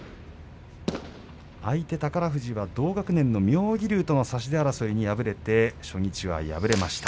相手宝富士は同学年の妙義龍との差し手争いに敗れて初日は敗れました。